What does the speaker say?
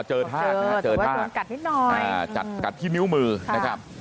อ๋อเจอทากหรือว่าต้องกัดนิดน้อยจัดกัดที่นิ้วมือนะครับ